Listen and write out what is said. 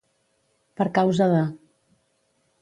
Per causa de.